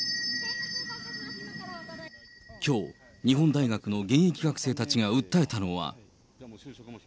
きょう、日本大学の現役学生たちが訴えたのは。